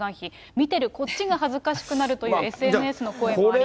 見てるこっちが恥ずかしくなるというＳＮＳの声もありますが。